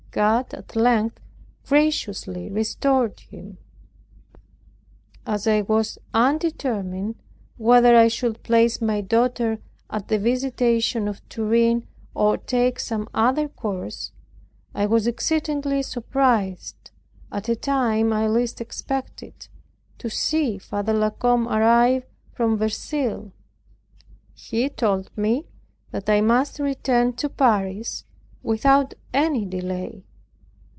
God at length graciously restored him. As I was undetermined whether I should place my daughter at the Visitation of Turin, or take some other course; I was exceedingly surprised, at a time I least expected it, to see Father La Combe arrive from Verceil. He told me that I must return to Paris without any delay.